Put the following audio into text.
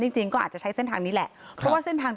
จริงจริงก็อาจจะใช้เส้นทางนี้แหละเพราะว่าเส้นทาง